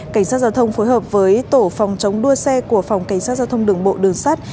cảnh sát giao thông phối hợp với tổ phòng chống đua xe của phòng cảnh sát giao thông đường bộ đường sắt